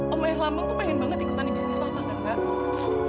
om air lambang tuh pengen banget ikutan di bisnis papa nggak kak